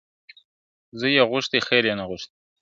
زوی یې غوښتی خیر یې نه غوښتی `